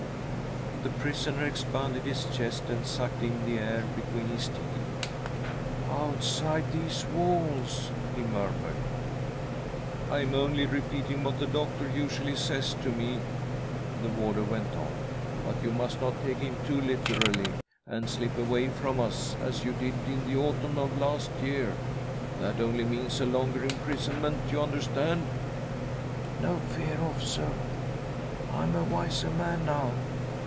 " The prisoner expanded his chest and sucked in the air between his teeth. " Outside these walls !" he murmured. " I am only repeating what the doctor usually says to me," the warder went on ;" but you must not take him too literally and slip away from us, as you did in the autumn of last year. That only means a longer imprisonment, you understand." " No fear, officer, . I am a wiser man now.